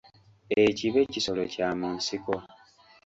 Ekibe kisolo kya mu nsiko.